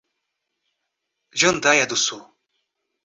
Jandaia do Sul